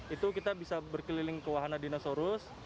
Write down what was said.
itu kita bisa berkeliling ke wahana dinosaurus